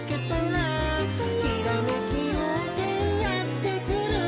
「ひらめきようせいやってくる」